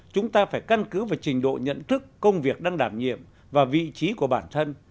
chúng ta phải căn cứ vào trình độ nhận thức công việc đang đảm nhiệm và vị trí của bản thân